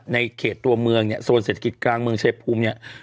ในเขตตัวเมืองเนี่ยโซนเศรษฐกิจกลางเมืองชายภูมิเนี่ย